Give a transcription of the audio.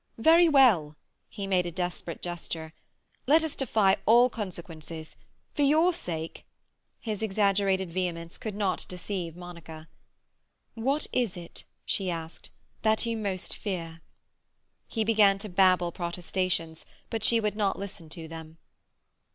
Very well!" He made a desperate gesture. "Let us defy all consequences. For your sake—" His exaggerated vehemence could not deceive Monica. "What is it," she asked, "that you most fear?" He began to babble protestations, but she would not listen to them.